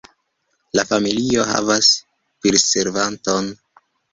La familio havas pirservanton.